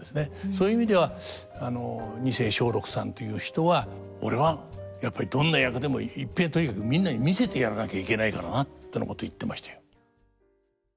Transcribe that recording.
そういう意味では二世松緑さんという人は「俺はやっぱりどんな役でもいっぺえとにかくみんなに見せてやらなきゃいけないからな」ってなこと言ってましたよ。